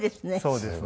そうですね。